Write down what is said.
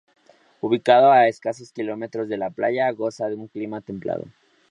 Ubicado a escasos kilómetros de la playa, goza de un clima templado.